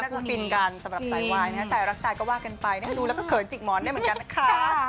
จะฟินกันสำหรับสายวายชายรักชายก็ว่ากันไปดูแล้วก็เขินจิกหมอนได้เหมือนกันนะคะ